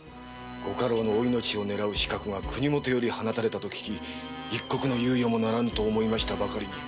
ご家老のお命を狙う刺客が国許より放たれたと聞き一刻の猶予もならぬと思いましたばかりに。